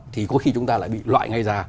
thì có khi chúng ta lại bị loại ngay ra